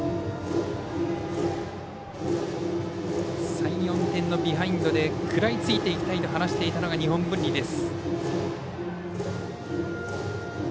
３４点のビハインドで食らいついていきたいと話していたのが日本文理です。